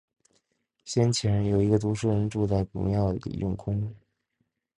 先前，有一个读书人住在古庙里用功